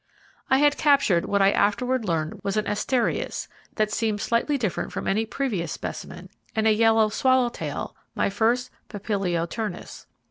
I had captured what I afterward learned was an Asterias, that seemed slightly different from any previous specimen, and a yellow swallow tail, my first Papilio Turnus.